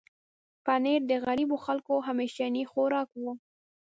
پنېر د غریبو خلکو همیشنی خوراک و.